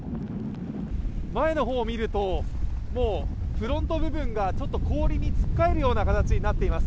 前の方を見ると、もうフロント部分が氷につっかえるような形になっています。